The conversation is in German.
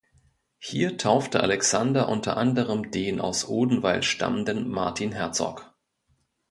Hier taufte Alexander unter anderen den aus Odenwald stammenden Martin Herzog.